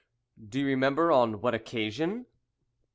"Do you remember on what occasion?"